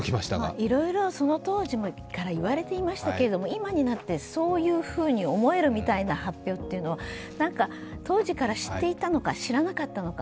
いろいろその当時から言われていましたけれども、今になって、そういうふうに思えるみたいな発表というのは当時から知っていたのか、知らなかったのか。